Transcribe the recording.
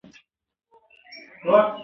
چې د پوهنتون د ازاد طبيعت نه خوند واخلي.